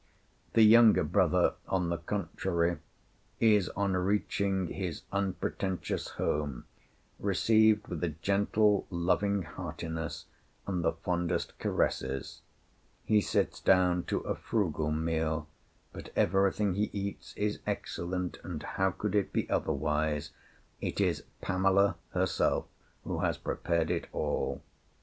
The younger brother, on the contrary, is, on reaching his unpretentious home, received with a gentle, loving heartiness and the fondest caresses. He sits down to a frugal meal, but everything he eats is excellent; and how could it be otherwise? It is Pamela herself who has prepared it all.